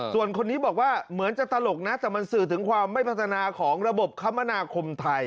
ส่วนคนนี้บอกว่าเหมือนจะตลกนะแต่มันสื่อถึงความไม่พัฒนาของระบบคมนาคมไทย